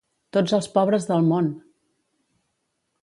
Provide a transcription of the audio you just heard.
Tots els pobres del món!